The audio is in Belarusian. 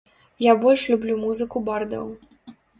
Я больш люблю музыку бардаў.